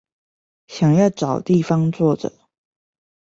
想要找地方坐著